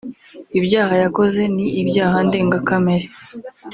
Ibyaha yakoze ni ibyaha ndengakamere